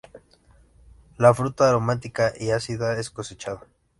La fruta aromática y ácida es cosechada.